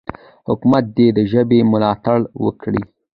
حکومت دې د ژبې ملاتړ وکړي.